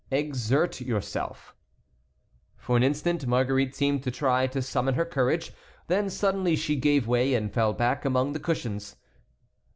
"Exert yourself." For an instant Marguerite seemed to try to summon her courage, then suddenly she gave way and fell back among the cushions.